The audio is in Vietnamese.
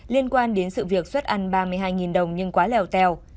liên quan đến sự việc xuất an ba mươi hai đồng nhưng quá lèo tèo